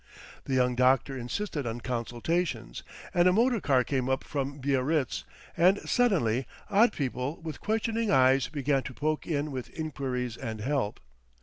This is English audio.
The young doctor insisted on consultations, and a motor car came up from Biarritz, and suddenly odd people with questioning eyes began to poke in with inquiries and help.